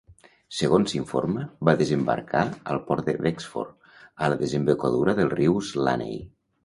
Segons s'informa, va desembarcar al port de Wexford a la desembocadura del riu Slaney.